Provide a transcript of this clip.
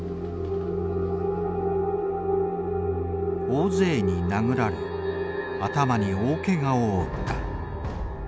「大勢に殴られ頭に大けがを負った」。